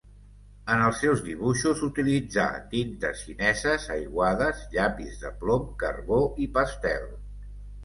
En els seus dibuixos utilitzà tintes xineses, aiguades, llapis de plom, carbó i pastel.